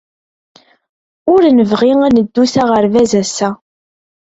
Ur nebɣi ad neddu s aɣerbaz ass-a.